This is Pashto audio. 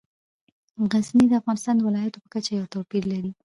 غزني د افغانستان د ولایاتو په کچه یو توپیر لري.